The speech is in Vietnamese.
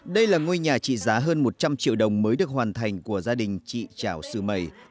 đây là ngôi nhà trị giá hơn một trăm linh triệu đồng mới được hoàn thành của gia đình chị trảo sư mầy